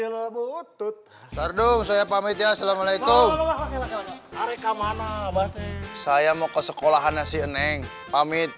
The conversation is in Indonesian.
selalu utut sardung saya pamit ya assalamualaikum mereka mana saya mau ke sekolah nasi eneng pamit